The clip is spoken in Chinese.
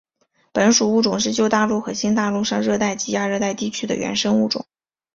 本属物种是旧大陆和新大陆上热带及亚热带地区的原生物种。